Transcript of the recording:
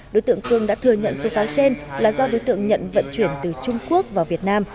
đối tượng cương đã thừa nhận số pháo trên là do đối tượng nhận vận chuyển từ trung quốc vào việt nam